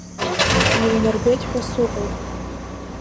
Иунарбеит ҳәа сыҟоуп!